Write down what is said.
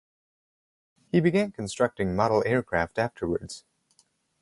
He began constructing model aircraft afterwards.